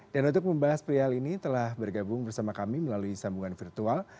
dan untuk membahas perihal ini telah bergabung bersama kami melalui sambungan virtual